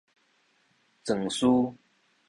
狀師